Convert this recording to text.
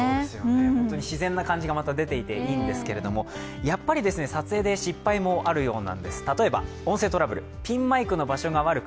本当に自然な感じがまた出ていていいんですけれども、やっぱり撮影で失敗もあるようなんです。